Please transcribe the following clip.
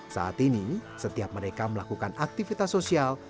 saat ini setiap mereka melakukan aktivitas sosial